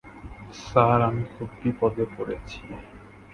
Sir আমি খুব বিপদে পড়েছি।